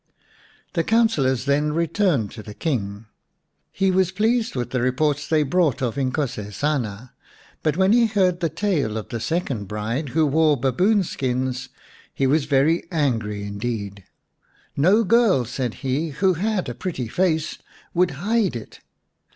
The councillors then returned to the King. He was pleased with the reports they brought of Inkosesana, but when he heard the tale of the 145 L Baboon Skins xn second bride who wore baboon skins, he was very angry indeed. " No girl," said he, " who had a pretty face would hide it.